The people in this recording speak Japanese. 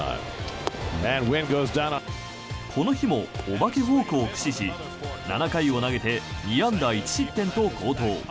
この日もお化けフォークを駆使し７回を投げて２安打１失点と好投。